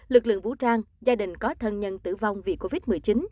lực lượng vũ trang gia đình có thân nhân tử vong vì covid một mươi chín